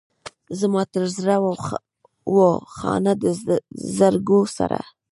زما تر زړه و خانه د زرګو سره.